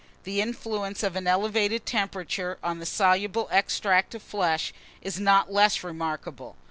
The influence of an elevated temperature on the soluble extract of flesh is not less remarkable.